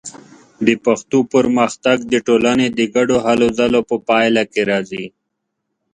د پښتو پرمختګ د ټولنې د ګډو هلو ځلو په پایله کې راځي.